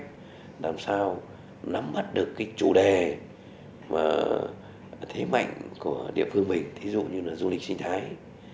điều này là làm sao nắm mắt được cái chủ đề thế mạnh của địa phương mình ví dụ như là du lịch sinh thái